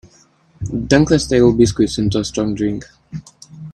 Dunk the stale biscuits into strong drink.